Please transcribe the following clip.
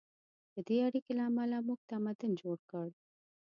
د دې اړیکې له امله موږ تمدن جوړ کړ.